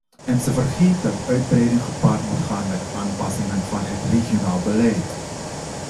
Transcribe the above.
En ze vergeet dat uitbreiding gepaard moet gaan met aanpassingen van het regionaal beleid.